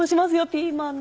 ピーマンの。